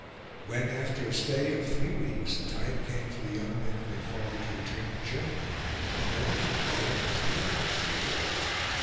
When, after a stay of three weeks, the time came for the young men and their father to return to Germany, the moment of parting was a melancholy one.